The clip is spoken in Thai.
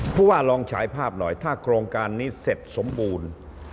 ผู้ว่าลองฉายภาพหน่อยถ้าโครงการนี้เสร็จสมบูรณ์